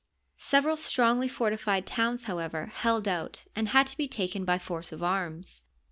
Several strongly fortified towns, however, held out and had to be taken by force of arms.